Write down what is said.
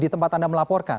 di tempat anda melaporkan